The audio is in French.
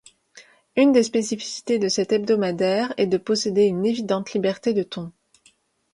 Une des spécificités de cet hebdomadaire est de posséder une évidente liberté de ton.